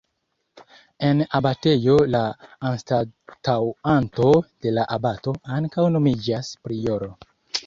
En abatejo la anstataŭanto de la abato ankaŭ nomiĝas prioro.